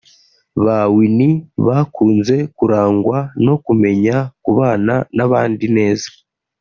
Ba Winnie bakunze kurangwa no kumenya kubana n’abandi neza